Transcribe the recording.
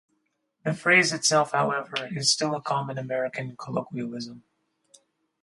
The phrase itself, however, is still a common American colloquialism.